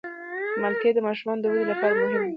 مالټې د ماشومانو د ودې لپاره مهمې دي.